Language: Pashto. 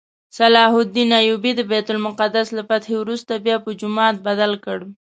صلاح الدین ایوبي د بیت المقدس له فتحې وروسته بیا په جومات بدل کړ.